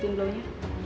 aduh mantelan dong